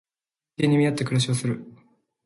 年金に見合った暮らしをする